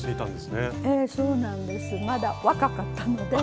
そうなんですまだ若かったので。